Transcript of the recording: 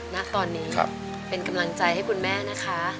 ณตอนนี้เป็นกำลังใจให้คุณแม่นะคะ